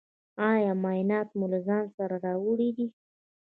ایا معاینات مو له ځان سره راوړي دي؟